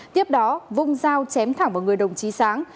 tiếp đó vung dao chém thẳng vào người đồng chí sáng